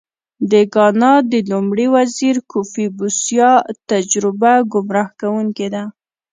د ګانا د لومړي وزیر کوفي بوسیا تجربه ګمراه کوونکې ده.